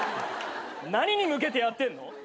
何に向けてやってんの？